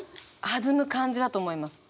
弾む感じだと思います。